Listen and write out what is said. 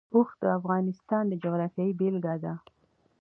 اوښ د افغانستان د جغرافیې بېلګه ده.